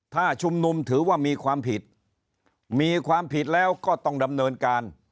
ถ้าชุมนุมถือว่ามีความผิดมีความผิดแล้วก็ต้องดำเนินการ